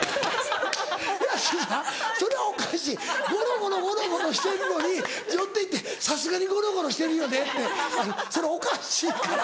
安さんそれはおかしいゴロゴロゴロゴロしてるのに寄って行って「さすがにゴロゴロしてるよね」ってそれおかしいから。